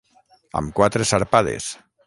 Amb quatre sarpades.